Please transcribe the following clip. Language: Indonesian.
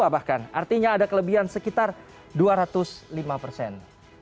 satu ratus dua puluh dua bahkan artinya ada kelebihan sekitar dua ratus lima persen